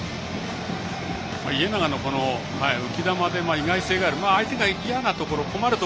家長の浮き球で意外性がある。